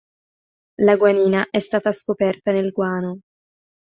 La guanina è stata scoperta nel guano.